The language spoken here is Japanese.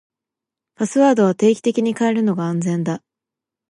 パスワードは定期的に変えるのが安全だ。